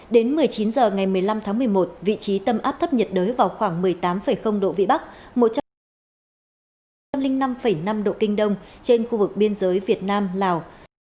đến một mươi chín h ngày một mươi năm tháng một mươi một vị trí tâm áp thấp nhiệt đới vào khoảng một mươi tám độ vĩ bắc một trăm linh năm năm độ kinh đông trên khu vực biên giới việt nam lào